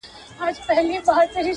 ځکه دا خو شرعي اصول نه دي